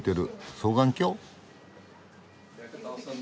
双眼鏡？